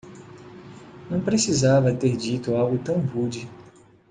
Não precisava ter dito algo tão rude